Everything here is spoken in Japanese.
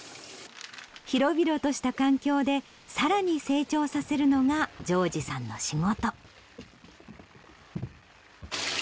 広々とした環境でさらに成長させるのが丈二さんの仕事。